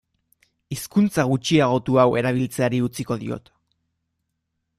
Hizkuntza gutxiagotu hau erabiltzeari utziko diot.